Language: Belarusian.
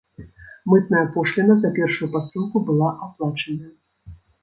Мытная пошліна за першую пасылку была аплачаная.